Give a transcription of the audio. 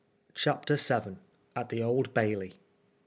CHAPTER Vn. AT THE OLD BAILBT.